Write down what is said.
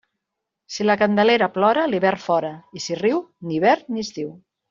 Si la Candelera plora, l'hivern fora; i si riu, ni hivern ni estiu.